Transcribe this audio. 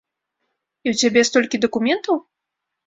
І ў цябе столькі дакументаў?